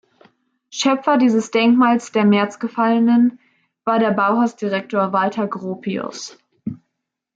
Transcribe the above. Schöpfer dieses „Denkmals der Märzgefallenen“ war der Bauhaus-Direktor Walter Gropius.